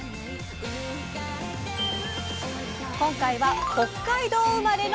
今回は北海道生まれのそば。